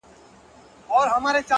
ګلان مې توی شول